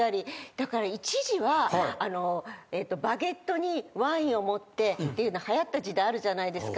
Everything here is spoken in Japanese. だから一時はバゲットにワインを持ってっていうの流行った時代あるじゃないですか。